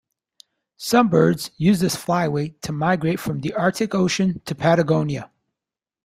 Some birds use this flyway to migrate from the Arctic Ocean to Patagonia.